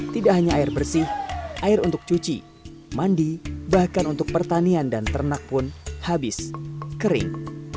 tidak hanya air bersih air untuk cuci mandi bahkan untuk pertanian dan ternak pun habis kering